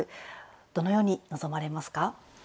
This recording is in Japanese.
どのように臨まれますか？